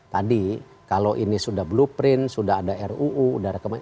tadi kalau ini sudah blueprint sudah ada ruu sudah ada keempat